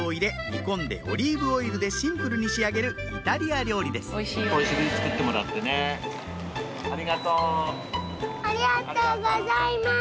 煮込んでオリーブオイルでシンプルに仕上げるイタリア料理ですありがとう。